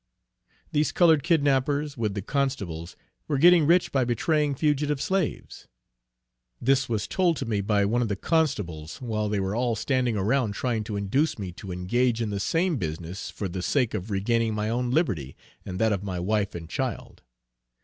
These colored kidnappers, with the Constables, were getting rich by betraying fugitive slaves. This was told to me by one of the Constables, while they were all standing around trying to induce me to engage in the same business for the sake of regaining my own liberty, and that of my wife and child.